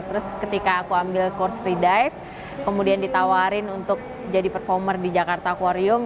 terus ketika aku ambil course free dive kemudian ditawarin untuk jadi performer di jakarta aquarium